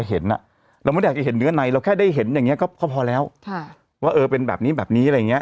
เห็นเนื้อในเราแค่ได้เห็นอย่างเงี้ยก็พอแล้วว่าเออเป็นแบบนี้แบบนี้อะไรอย่างเงี้ย